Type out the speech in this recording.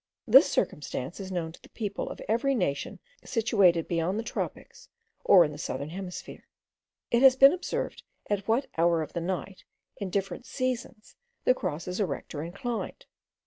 This circumstance is known to the people of every nation situated beyond the tropics, or in the southern hemisphere. It has been observed at what hour of the night, in different seasons, the Cross is erect or inclined.